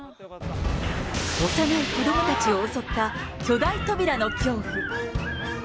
幼い子どもたちを襲った巨大扉の恐怖。